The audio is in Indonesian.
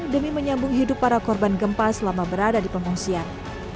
demi menyambung hidup para korban gempa selama berada di pengungsian